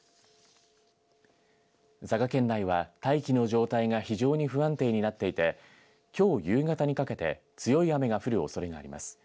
佐賀県内は大気の状態が非常に不安定になっていてきょう夕方にかけて強い雨が降るおそれがあります。